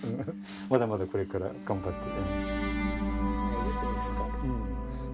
まだまだこれから頑張って。